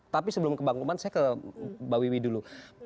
tapi sebelum ke bang ukman saya ke mbak wiwi dulu